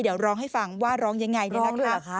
เดี๋ยวร้องให้ฟังว่าร้องยังไงร้องหรือเหรอคะ